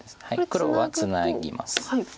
黒はツナぎます。